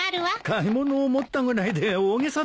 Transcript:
買い物を持ったぐらいで大げさだよ。